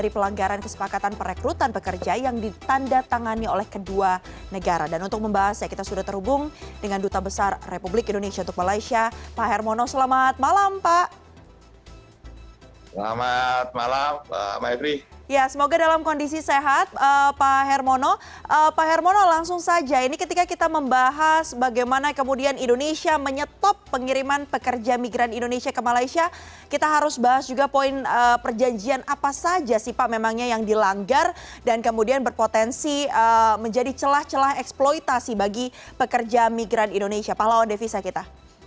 pak hermono langsung saja ini ketika kita membahas bagaimana kemudian indonesia menyetop pengiriman pekerja migran indonesia ke malaysia kita harus bahas juga poin perjanjian apa saja sih pak memangnya yang dilanggar dan kemudian berpotensi menjadi celah celah eksploitasi bagi pekerja migran indonesia pak laonde visa kita